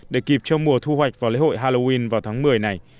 để kịp cho mùa thu hoạch vào lễ hội halloween vào tháng một mươi này